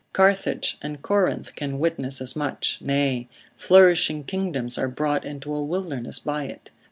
Carthage and Corinth can witness as much, nay, flourishing kingdoms are brought into a wilderness by it.